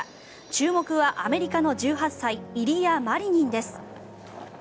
注目はアメリカの１８歳イリア・マリニンです。